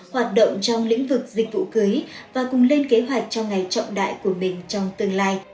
hoạt động trong lĩnh vực dịch vụ cưới và cùng lên kế hoạch cho ngày trọng đại của mình trong tương lai